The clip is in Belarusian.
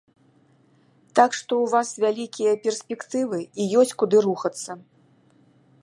Так што ў вас вялікія перспектывы і ёсць куды рухацца.